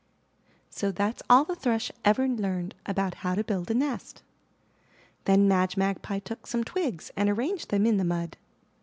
So that's all the Thrush ever learned about how to build a nest. Then Madge Magpie took some twigs and arranged them in the mud.